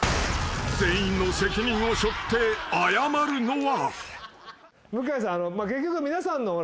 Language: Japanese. ［全員の責任をしょって謝るのは］